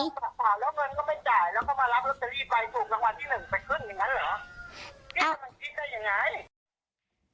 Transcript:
เงินก็ไม่แจแล้วก็จะรับลัสเตอรี่ใบถูกวันที่หนึ่งไปขึ้นอย่างนั้นเหรอ